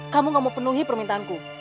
kamu gak mau penuhi permintaanku